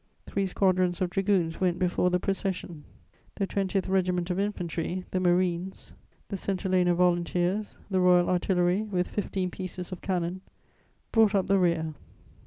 Three squadrons of dragoons went before the procession; the 20th Regiment of Infantry, the marines, the St. Helena Volunteers, the Royal Artillery, with fifteen pieces of cannon, brought up the rear.